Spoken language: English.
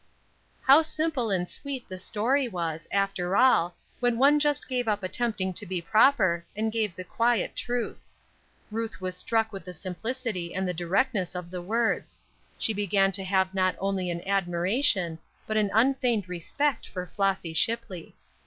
How simple and sweet the story was, after all, when one just gave up attempting to be proper, and gave the quiet truth. Ruth was struck with the simplicity and the directness of the words; she began to have not only an admiration, but an unfeigned respect for Flossy Shipley.